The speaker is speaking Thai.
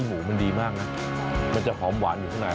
หมูมันดีมากนะมันจะหอมหวานอยู่ข้างใน